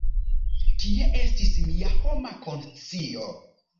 Kie estis mia homa konscio?